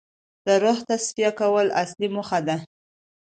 د روح تصفیه کول اصلي موخه ده.